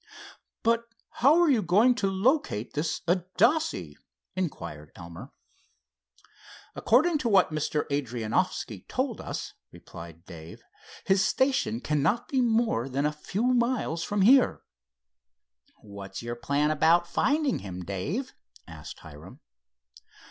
"But how are you going to locate this Adasse?" inquired Elmer. "According to what Mr. Adrianoffski told us," replied Dave, "his station cannot be more than a few miles from here." "What's your plan about finding him, Dave?" asked Hiram.